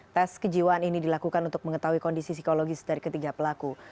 tes kejiwaan ini dilakukan untuk mengetahui kondisi psikologis dari ketiga pelaku